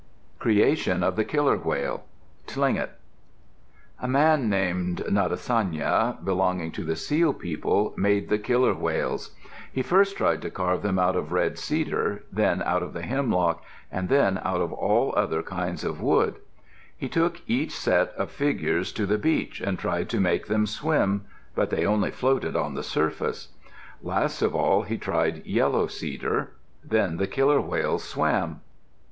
CREATION OF THE KILLER WHALE Tlingit A man named Natsayane, belonging to the Seal People, made the killer whales. He first tried to carve them out of red cedar, then out of the hemlock, and then out of all other kinds of woods. He took each set of figures to the beach and tried to make them swim; but they only floated on the surface. Last of all he tried yellow cedar. Then the killer whales swam.